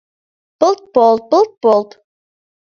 Пылт-полт, пылт-полт!